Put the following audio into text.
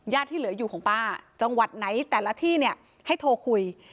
ที่เหลืออยู่ของป้าจังหวัดไหนแต่ละที่เนี่ยให้โทรคุย